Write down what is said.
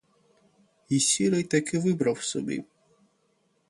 І сірий таки вибрав собі.